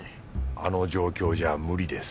あの状況じゃ無理です